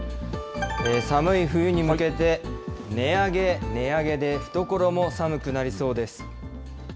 寒い冬に向けて、値上げ、値上げで懐も寒くなりそうです。